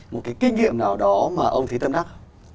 một cái kinh nghiệm nào đó mà ông thấy tâm đắc